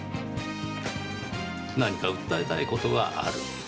何か訴えたいことがある？